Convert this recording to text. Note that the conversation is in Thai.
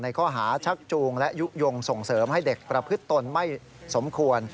ข้อหาชักจูงและยุโยงส่งเสริมให้เด็กประพฤติตนไม่สมควร